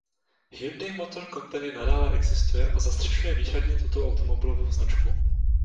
Hyundai Motor Company nadále existuje a zastřešuje výhradně tuto automobilovou značku.